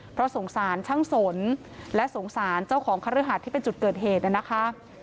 เพราะสงสารช่างสนและสงสารเจ้าของคฤหัสที่เป็นจุดเกิดเหตุนะคะ